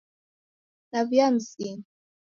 Naw'uya Mzinyi